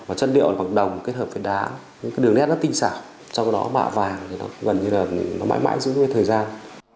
và chất điệu bằng đồng kết hợp với đá những cái đường nét nó tinh xảo trong đó mạ vàng gần như là nó mãi mãi giữ cái thời gian